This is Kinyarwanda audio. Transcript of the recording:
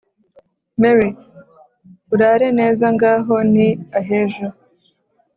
mary : urare neza ngaho! ni ahejo